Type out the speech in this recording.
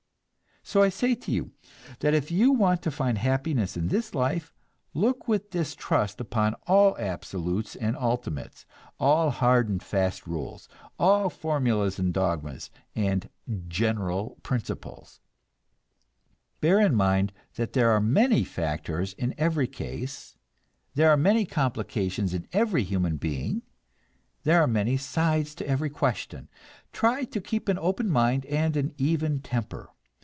So I say to you that if you want to find happiness in this life, look with distrust upon all absolutes and ultimates, all hard and fast rules, all formulas and dogmas and "general principles." Bear in mind that there are many factors in every case, there are many complications in every human being, there are many sides to every question. Try to keep an open mind and an even temper.